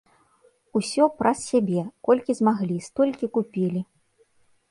Усё праз сябе, колькі змаглі, столькі купілі.